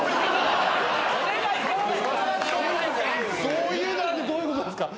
「そう言うなら」ってどういうことですか！